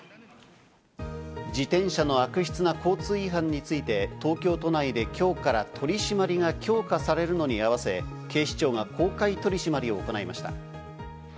自転車の悪質な交通違反について、東京都内で今日から取り締まりが強化されるのに合わせ、警視庁が公開取り締まりを行いました。